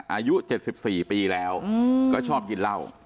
อายุ๗๔ปีแล้วก็ชอบกินเหล้า